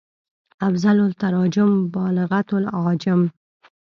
افضل التراجم بالغت العاجم